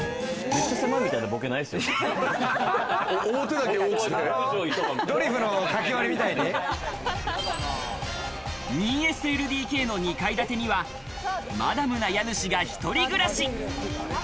めっちゃ狭いみたいなボケな２ＳＬＤＫの２階建てには、マダムな家主が一人暮らし。